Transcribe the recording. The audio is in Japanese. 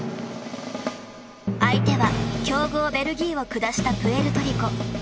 相手は強豪ベルギーを下したプエルトリコ。